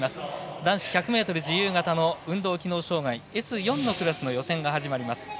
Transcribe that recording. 男子１００ｍ自由形の運動機能障がいＳ４のクラスの予選が始まります。